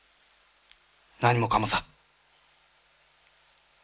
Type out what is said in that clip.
何もかもさ。